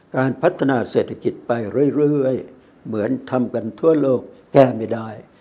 การพัฒนาเศรษฐกิจไปเรื่อยเหมือนทำกันทั่วโลกแก้ไม่ได้